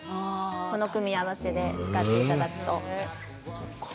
この組み合わせで使っていただくと。